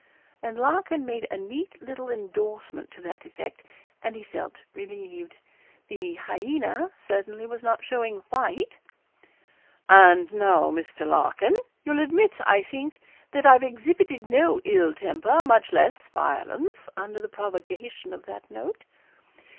And Larkin made a neat little endorsement to that effect, and he felt relieved. The hyaena certainly was not showing fight. 'And now, Mr. Larkin, you'll admit, I think, that I've exhibited no ill temper, much less violence, under the provocation of that note.'